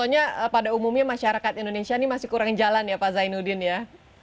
jadi masyarakat indonesia ini masih kurang jalan ya pak zainuddin ya